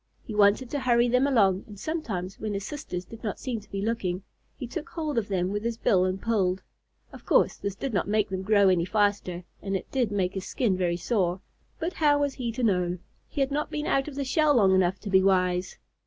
He wanted to hurry them along, and sometimes, when his sisters did not seem to be looking, he took hold of them with his bill and pulled. Of course this did not make them grow any faster and it did make his skin very sore, but how was he to know? He had not been out of the shell long enough to be wise.